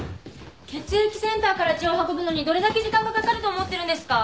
血液センターから血を運ぶのにどれだけ時間がかかると思ってるんですか？